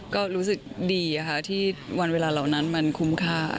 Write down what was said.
ก็รู้สึกดีค่ะที่วันเวลาเหล่านั้นมันคุ้มค่า